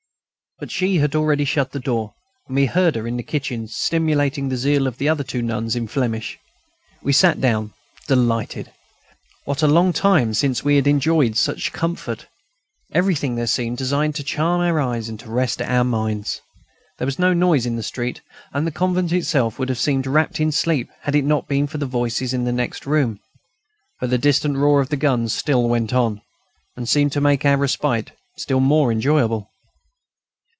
But she had already shut the door, and we heard her in the kitchen stimulating the zeal of the other two nuns in Flemish. We sat down, delighted. What a long time since we had enjoyed such comfort! Everything there seemed designed to charm our eyes and rest our minds. There was no noise in the street, and the convent itself would have seemed wrapped in sleep had it not been for the voices in the next room. But the distant roar of the guns still went on, and seemed to make our respite still more enjoyable.